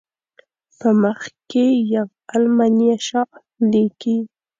په مخ کې یفل من یشاء لیکي.